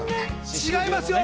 違いますよ。